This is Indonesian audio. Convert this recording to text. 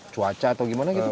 cuaca atau bagaimana gitu